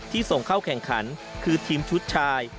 ส่งเข้าแข่งขันคือทีมชุดชาย